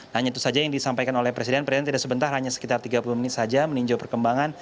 hanya itu saja yang disampaikan oleh presiden presiden tidak sebentar hanya sekitar tiga puluh menit saja meninjau perkembangan